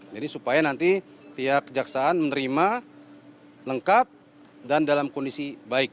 jadi supaya nanti pihak kejaksaan menerima lengkap dan dalam kondisi baik